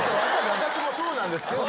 私もそうなんですけど。